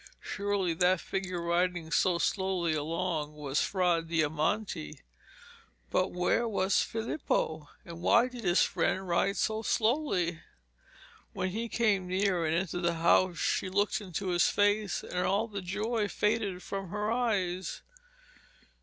Surely that figure riding so slowly along was Fra Diamante? But where was Filippo, and why did his friend ride so slowly? When he came near and entered the house she looked into his face, and all the joy faded from her eyes.